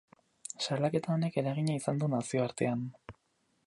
Salaketa honek eragina izan du nazioartean.